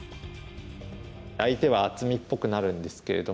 相手は厚みっぽくなるんですけれども。